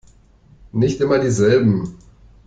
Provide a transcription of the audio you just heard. Nicht immer dieselben!